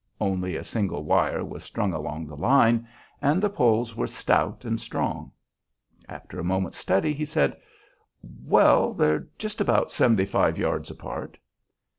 Only a single wire was strung along the line, and the poles were stout and strong. After a moment's study he said, "Well, they are just about seventy five yards apart."